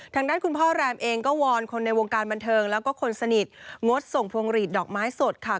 ทางด้านคุณพ่อแรมเองก็วอนคนในวงการบันเทิงแล้วก็คนสนิทงดส่งพวงหลีดดอกไม้สดค่ะ